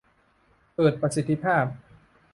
เกิดประสิทธิภาพ